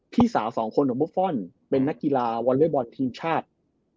พี่สาวสองคนของบุฟฟอนด์เป็นนักกีฬาวอเลเวอร์บอร์ดทีมชาติ